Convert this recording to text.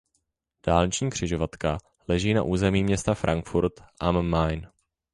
Dálniční křižovatka leží na území města Frankfurt am Main.